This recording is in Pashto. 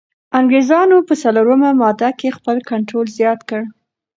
انګریزانو په څلورمه ماده کي خپل کنټرول زیات کړ.